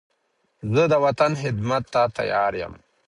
زه د وطن خدمت ته تیار یم.